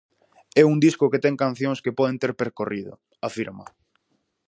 "É un disco que ten cancións que poden ter percorrido", afirma.